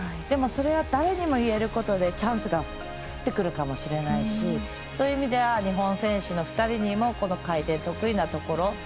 でも、それは誰にも言えることでチャンスが降ってくるかもしれないしそういう意味では日本選手の２人にもこの回転、得意なところ。